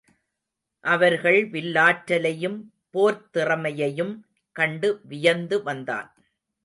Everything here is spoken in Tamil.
அவர்கள் வில்லாற்றலையும் போர்த்திறமையையும் கண்டு வியந்து வந்தான்.